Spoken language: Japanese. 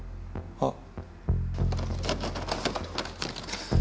あっ。